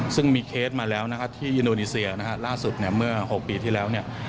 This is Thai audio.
ซึ่งมีเคสมาแล้วที่ยุโนนิเซียล่าสุดเมื่อ๖ปีที่แล้ว